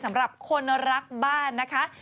สำหรับคนรักบ้านนะคะ